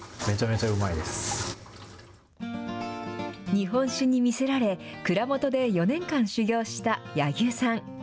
日本酒に見せられ、蔵元で４年間修業した柳生さん。